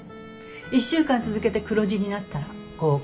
１週間続けて黒字になったら合格。